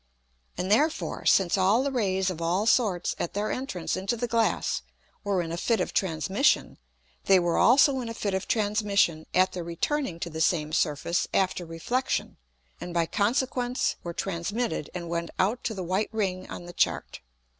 And therefore since all the Rays of all sorts at their entrance into the Glass were in a Fit of Transmission, they were also in a Fit of Transmission at their returning to the same Surface after Reflexion; and by consequence were transmitted, and went out to the white Ring on the Chart.